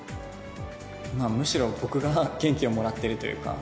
むしろ、僕が元気をもらってるというか。